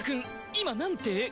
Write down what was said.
今何て？